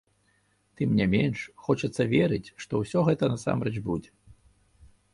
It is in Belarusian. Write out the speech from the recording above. Тым не менш, хочацца верыць, што ўсё гэта насамрэч будзе.